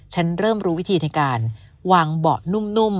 ฉันเริ่มรู้วิธีในการวางเบาะนุ่ม